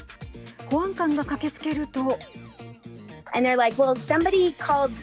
保安官が駆けつけると。